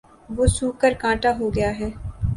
وہ سوکھ کر کانٹا ہو گیا ہے